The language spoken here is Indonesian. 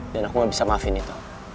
dan aku gak bisa maafin itu